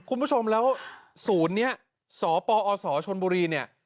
คุณผู้ชมแล้วศูนย์นี้สปอศชนบุรีเนี่ย